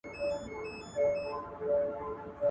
په هرباب کي توپانونه ,